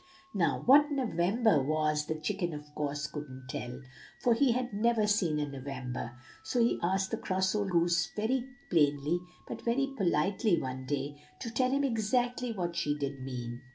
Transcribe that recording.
"Now, what November was, the chicken, of course, couldn't tell, for he had never seen a November; so he asked the cross old goose very plainly, but very politely, one day, to tell him exactly what she did mean.